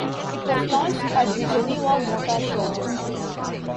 It was launched at the Geneva Motor Show.